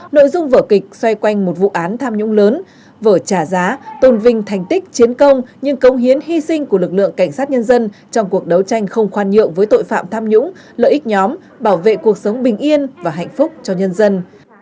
nội dung vở kịch xoay quanh một vụ án tham nhũng lớn vở trả giá tôn vinh thành tích chiến công nhưng công hiến hy sinh của lực lượng cảnh sát nhân dân trong cuộc đấu tranh không khoan nhượng với tội phạm tham nhũng lợi ích nhóm bảo vệ cuộc sống bình yên và hạnh phúc cho nhân dân